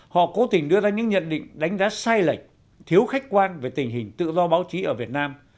họ cố tình đưa ra những nhận định đánh giá sai lệch thiếu khách quan về tình hình tự do báo chí ở việt nam